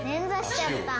捻挫しちゃった。